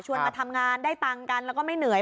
มาทำงานได้ตังค์กันแล้วก็ไม่เหนื่อย